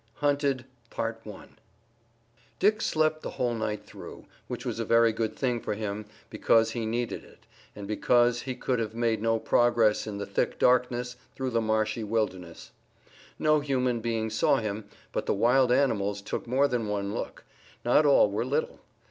HUNTED Dick slept the whole night through, which was a very good thing for him, because he needed it, and because he could have made no progress in the thick darkness through the marshy wilderness. No human beings saw him, but the wild animals took more than one look. Not all were little.